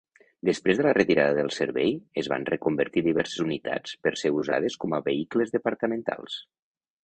Després de la retirada del servei, es van reconvertir diverses unitats per ser usades com vehicles departamentals.